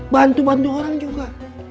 bantu bantu orang juga